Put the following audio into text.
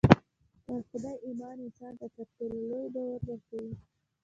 پر خدای ايمان انسان ته تر ټولو لوی باور ورکوي.